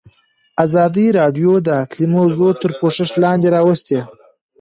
ازادي راډیو د اقلیم موضوع تر پوښښ لاندې راوستې.